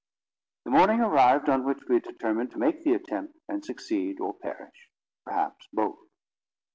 The morning arrived on which we had determined to make the attempt, and succeed or perish—perhaps both.